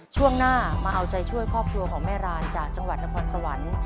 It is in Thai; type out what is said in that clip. ช่วงหน้ามาเอาใจช่วยครอบครัวของแม่รานจากจังหวัดนครสวรรค์